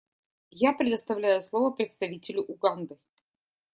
Я предоставляю слово представителю Уганды.